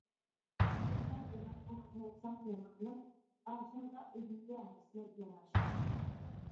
بىكارلا بىراۋغا قىلساڭ يامانلىق، ئاخىردا ئۆزۈڭگە ھەسسىلەپ يانار.